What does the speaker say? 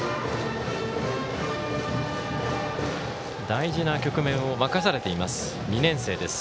大事な局面を任されています。